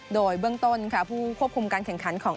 โดยเบื้องต้นค่ะผู้ควบคุมการแข่งขันของ